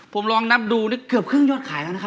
ผมลองนับดูเนี่ยเขื่อบครึ่งยกขายเลยนะครับ